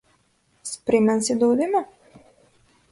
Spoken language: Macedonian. Спремен си да одиме?